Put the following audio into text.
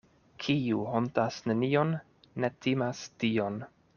Kiu hontas nenion, ne timas Dion.